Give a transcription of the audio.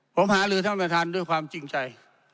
ผมหาลือท่านประธานด้วยความจริงใจ